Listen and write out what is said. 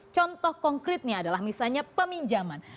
contoh konkretnya adalah misalnya peminjaman